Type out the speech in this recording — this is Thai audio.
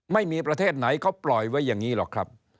ไม่มีประเทศไหนเขาปล่อยไว้อย่างนี้หรอกครับ